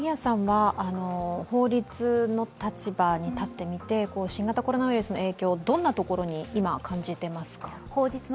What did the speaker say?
法律の立場に立ってみて、新型コロナウイルスの影響、どんなところに今感じていますか？